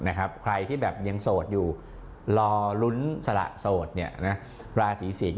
โอ้โหไม่ได้สละแล้วล่ะสละไปแล้ว